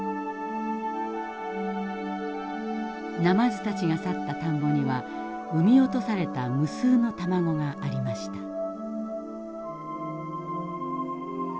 ナマズたちが去った田んぼには産み落とされた無数の卵がありました。